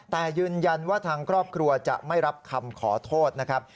แต่ยืนยันว่าทางครอบครัวจะไม่รับคำขอโทษนะครับ